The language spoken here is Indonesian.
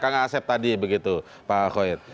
kakak asep tadi